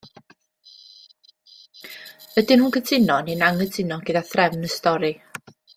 Ydyn nhw'n cytuno neu'n anghytuno gyda threfn y stori?